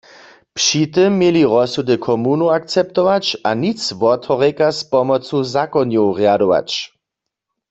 Při tym měli rozsudy komunow akceptować a nic wothorjeka z pomocu zakonjow rjadować.